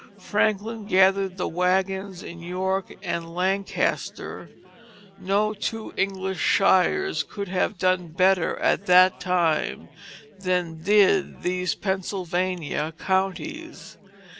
Franklin gathered the wagons in York and Lancaster; no two English shires could have done better at that time than did these Pennsylvania counties.